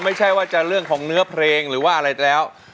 ไม่ใช่ว่าจะเรื่องของเนื้อเพลงหรือว่าอะไรแล้ว